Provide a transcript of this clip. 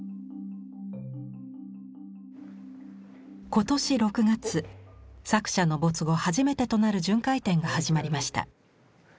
今年６月作者の没後初めてとなる巡回展が始まりました。